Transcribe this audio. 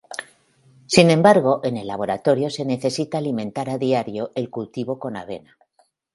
Sin embargo, en el laboratorio se necesita alimentar a diario el cultivo con avena.